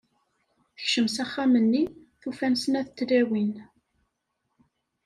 Tekcem s axxam-nni, tufa-n snat tlawin.